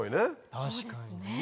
確かにねぇ。